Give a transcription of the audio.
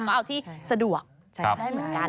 ก็เอาที่สะดวกได้เหมือนกัน